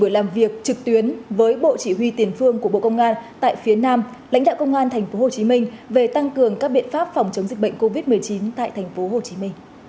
buổi làm việc trực tuyến với bộ chỉ huy tiền phương của bộ công an tại phía nam lãnh đạo công an tp hcm về tăng cường các biện pháp phòng chống dịch bệnh covid một mươi chín tại tp hcm